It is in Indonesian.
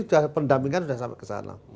jadi pendampingan sudah sampai ke sana